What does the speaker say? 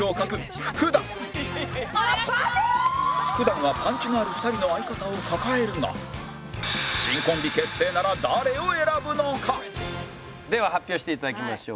普段はパンチのある２人の相方を抱えるが新コンビ結成なら誰を選ぶのか！？では発表して頂きましょう。